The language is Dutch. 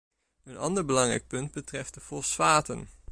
Een ander belangrijk punt betreft de fosfaten.